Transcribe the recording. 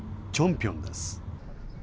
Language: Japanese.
ピョンです。